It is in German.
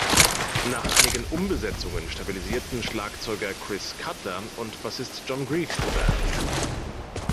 Nach einigen Umbesetzungen stabilisierten Schlagzeuger Chris Cutler und Bassist John Greaves die Band.